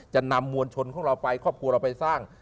นำมวลชนของเราไปครอบครัวเราไปสร้าง